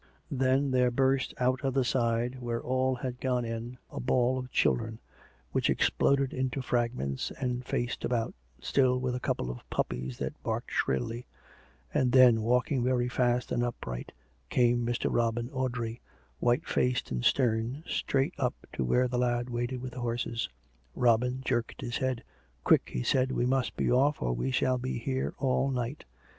Then there burst out of the side, where all had gone in, a ball of children, which exploded into fragments and faced about, still with a couple of puppies that barked shrilly; and then, walking very fast and upright, came Mr. Robin Audrey, white faced and stern, straight up to where the lad waited with the horses. Robin jerked his head. "Quick!" he said. "We must be off, or we shall be here all night."